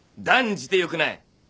断じてよくない！